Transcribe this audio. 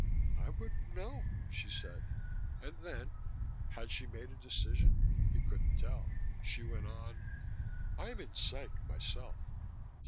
"I wouldn't know," she said, and then (had she made a decision? He couldn't tell) she went on: "I'm in Psych, myself."